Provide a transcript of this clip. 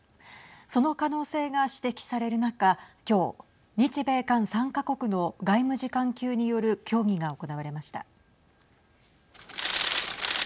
その可能性が指摘される中きょう、日米韓３か国の外務次官級による協議が行われました。